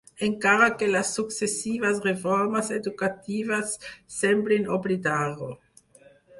Encara que les successives reformes educatives semblin oblidar-ho.